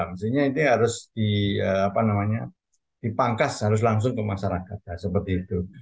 maksudnya ini harus dipangkas harus langsung ke masyarakat seperti itu